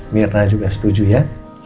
mirna juga setuju ya